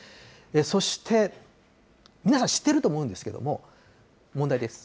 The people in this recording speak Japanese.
そして、皆さん知ってると思うんですけれども、問題です。